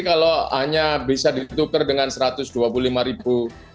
kalau hanya bisa ditukar dengan satu ratus dua puluh lima ribu